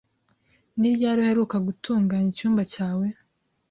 Ni ryari uheruka gutunganya icyumba cyawe?